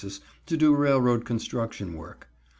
to do railroad construction work.